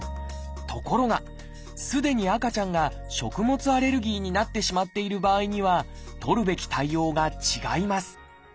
ところがすでに赤ちゃんが食物アレルギーになってしまっている場合には取るべき対応が違います